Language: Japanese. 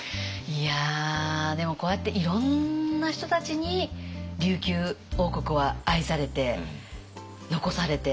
いやでもこうやっていろんな人たちに琉球王国は愛されて残されて伝統も。